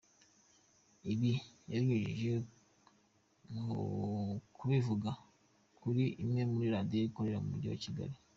Ibi yabinyujije mu kubivuga kuri imwe mu Radiyo akorera mu mujyi wa Kigali.